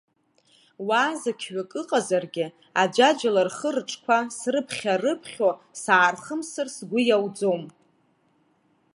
Уаазықьҩык ыҟазаргьы, аӡәаӡәала рхы-рҿқәа срыԥхьа-рыԥхьо саархымсыр сгәы иауӡом.